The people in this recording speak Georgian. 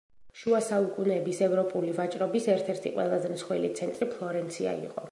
შუა საუკუნეების ევროპული ვაჭრობის ერთ-ერთი ყველაზე მსხვილი ცენტრი ფლორენცია იყო.